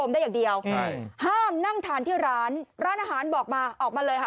ได้อย่างเดียวใช่ห้ามนั่งทานที่ร้านร้านอาหารบอกมาออกมาเลยค่ะ